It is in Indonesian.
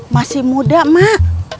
masih muda mak